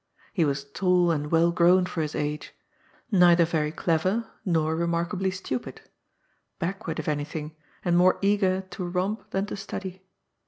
He was tall and well grown for his age, neither very clever nor remarkably stupid — ^backward if anything, and more eager to romp than to study.